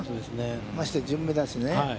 まして、順目だしね。